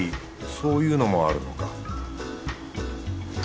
そういうのもあるのか